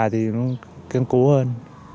thì nó kiên cố hơn